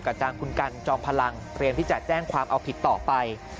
ทางคุณกันจอมพลังเตรียมที่จะแจ้งความเอาผิดต่อไป